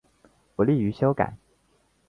不利于修改